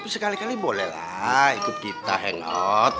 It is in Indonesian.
sekali kali bolehlah ikut kita hangout